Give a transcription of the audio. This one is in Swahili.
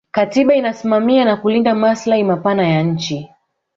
katiba inasimamia na kulinda maslahi mapana ya nchi